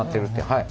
はい。